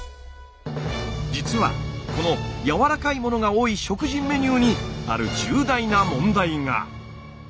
実はこのやわらかいものが多い食事メニューにある重大な問題が。